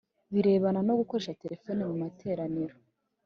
birebana no gukoresha telefoni mu materaniro